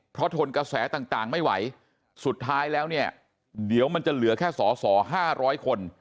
เพราะทนกระแสต่างไม่ไหวสุดท้ายแล้วเนี่ยเดี๋ยวมันจะเหลือแค่สอสอ๕๐๐คน